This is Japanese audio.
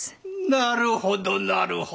なるほどなるほど。